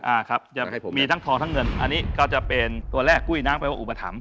อ่าครับยังไงผมมีทั้งทองทั้งเงินอันนี้ก็จะเป็นตัวแรกกุ้ยน้ำแปลว่าอุปถัมภ